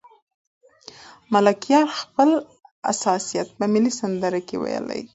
ملکیار خپل احساسات په ملي سندرو کې ویلي.